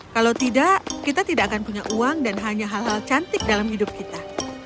kalau tidak kita tidak akan punya uang dan hanya hal hal cantik dalam hidup kita